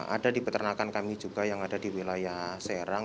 ada di peternakan kami juga yang ada di wilayah serang